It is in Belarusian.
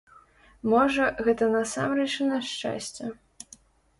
Можа, гэта насамрэч і на шчасце.